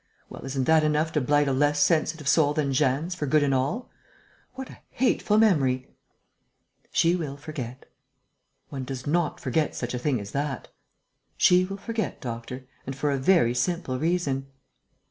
Well, isn't that enough to blight a less sensitive soul than Jeanne's for good and all? What a hateful memory!" "She will forget." "One does not forget such a thing as that." "She will forget, doctor, and for a very simple reason...."